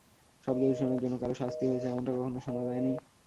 শব্দদূষণের জন্য কারও শাস্তি হয়েছে, এমনটা কখনো শোনা যায়নি।